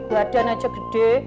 badan aja gede